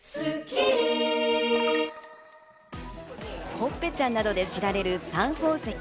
ほっぺちゃんなどで知られるサン宝石。